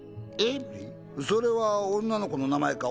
「それは女の子の名前か？